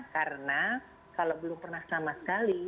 karena kalau belum pernah sama sekali